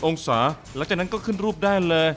องศาหลังจากนั้นก็ขึ้นรูปได้เลย